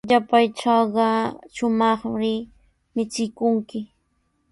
Yapaytrawqa shumaqri michikunki.